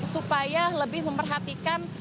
supaya lebih memperhatikan